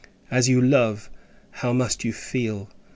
As you love, how must you feel!